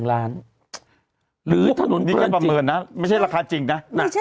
นี่คือประเมินนะไม่ใช่ราคาจริงนะ